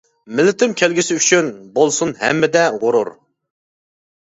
مىللىتىم كەلگۈسى ئۈچۈن، بولسۇن ھەممىدە غۇرۇر.